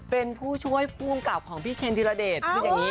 เป็นผู้ช่วยภูมิกับของพี่เคนธิระเดช